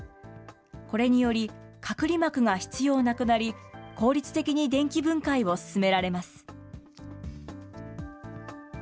これにより、隔離膜が必要なくなり、効率的に電気分解を進められます。